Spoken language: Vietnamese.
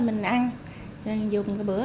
mình ăn dùng cái bữa